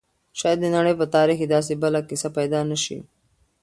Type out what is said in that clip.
شاید د نړۍ په تاریخ کې داسې بله کیسه پیدا نه شي.